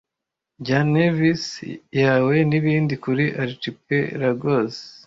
Bya nervice yawe nibindi kuri archipelagoes